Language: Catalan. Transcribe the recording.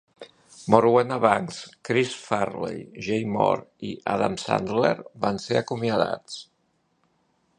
Morwenna Banks, Chris Farley, Jay Mohr i Adam Sandler van ser acomiadats.